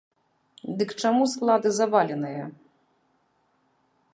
Дык чаму склады заваленыя?